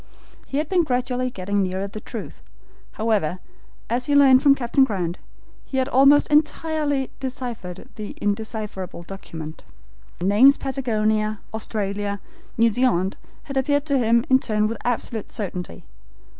He had been gradually getting nearer the truth, however, as he learned from Captain Grant. He had almost entirely deciphered the indecipherable document. The names Patagonia, Australia, New Zealand, had appeared to him in turn with absolute certainty.